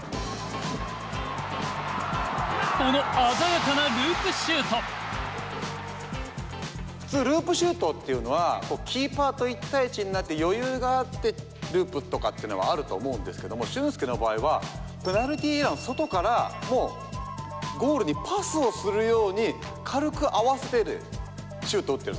この鮮やかな普通ループシュートっていうのはキーパーと１対１になって余裕があってループとかってのはあると思うんですけども俊輔の場合はペナルティーエリアの外からゴールにパスをするように軽く合わす程度シュート打ってるんですね。